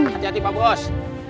hati hati pak bos